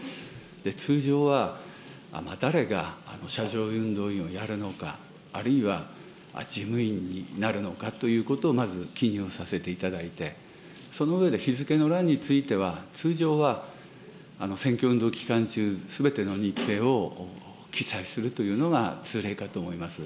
通常は、誰が車上運動員をやるのか、あるいは事務員になるのかということをまず記入させていただいて、その上で、日付の欄については、通常は選挙運動期間中すべての日程を記載するというのが通例かと思います。